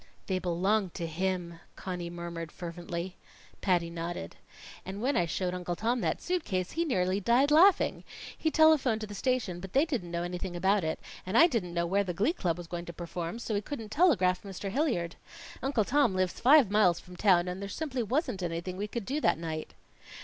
"They belong to him," Conny murmured fervently. Patty nodded. "And when I showed Uncle Tom that suit case, he nearly died laughing. He telephoned to the station, but they didn't know anything about it, and I didn't know where the glee club was going to perform, so we couldn't telegraph Mr. Hilliard. Uncle Tom lives five miles from town, and there simply wasn't anything we could do that night."